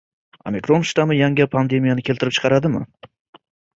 Omikron shtammi yangi pandemiyani keltirib chiqaradimi?